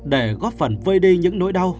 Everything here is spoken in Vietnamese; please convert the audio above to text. để góp phần vơi đi những nỗi đau